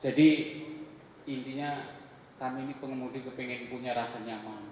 jadi intinya kami ini pengemudi kepingin punya rasa nyaman